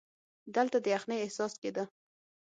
دلته د یخنۍ احساس کېده.